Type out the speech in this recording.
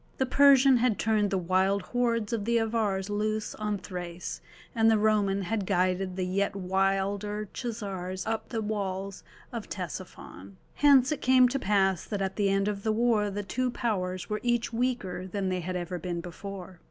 The Persian had turned the wild hordes of the Avars loose on Thrace, and the Roman had guided the yet wilder Chazars up to the walls of Ctesiphon. Hence it came to pass that at the end of the war the two powers were each weaker than they had ever been before.